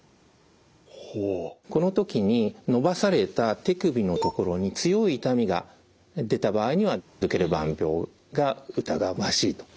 この時に伸ばされた手首のところに強い痛みが出た場合にはドケルバン病が疑わしいということになります。